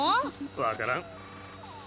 わからん。